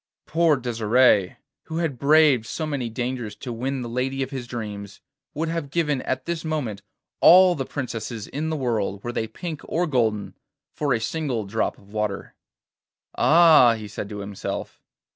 Poor Desire, who had braved so many dangers to win the lady of his dreams, would have given at this moment all the princesses in the world, were they pink or golden, for a single drop of water. 'Ah!' he said to himself.